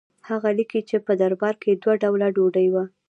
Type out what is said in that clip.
هغه لیکي چې په دربار کې دوه ډوله ډوډۍ وه.